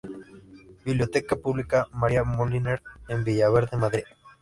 Biblioteca pública María Moliner en Villaverde, Madrid.